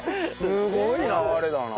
すごい流れだな。